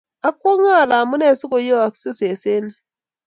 akwonge ale amunee sikuyooksei sesenik.